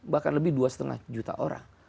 bahkan lebih dua lima juta orang